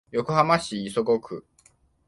横浜市磯子区